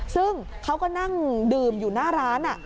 ซึ่งเขาก็นั่งดื่มอยู่หน้าร้าน